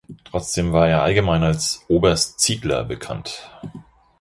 Trotzdem war er allgemein als «Oberst Ziegler» bekannt.